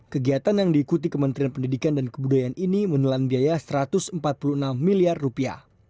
kegiatan yang diikuti kementerian pendidikan dan kebudayaan ini menelan biaya satu ratus empat puluh enam miliar rupiah